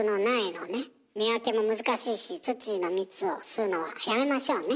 見分けも難しいしツツジの蜜を吸うのはやめましょうね。